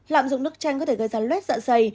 lạm dụng nước chanh có thể gây ra lét dạ dày